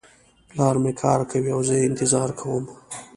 پلار مې کار کوي او زه یې انتظار کوم